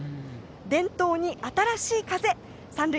伝統に新しい風三塁